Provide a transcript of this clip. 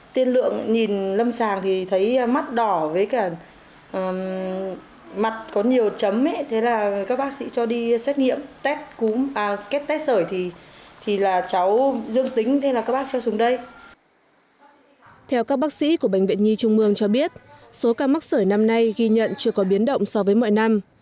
theo các bác sĩ của bệnh viện nhi trung ương cho biết số ca mắc sởi năm nay ghi nhận chưa có biến động so với mọi năm